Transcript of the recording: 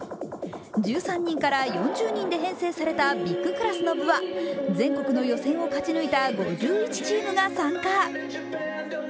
１３人から４０人で編成されたビッグクラスの部は全国の予選を勝ち抜いた５１チームが参加。